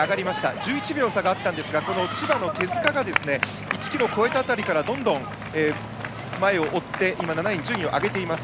１１秒差があったんですが千葉の手塚が１ｋｍを超えた辺りからどんどん前を追って今、７位に順位を上げています。